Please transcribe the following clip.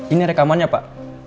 ini rekamannya pak